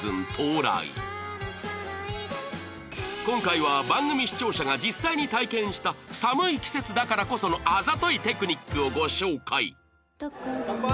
今回は番組視聴者が実際に体験した寒い季節だからこそのあざといテクニックをご紹介乾杯！